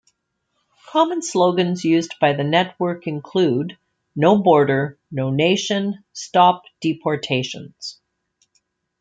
Common slogans used by the Network include; No Border, No Nation, Stop Deportations!